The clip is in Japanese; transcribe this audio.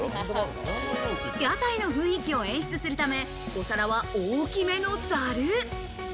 屋台の雰囲気を演出するため、お皿は大きめのざる。